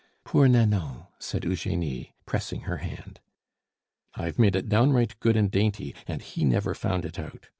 "Poor Nanon!" said Eugenie, pressing her hand. "I've made it downright good and dainty, and he never found it out.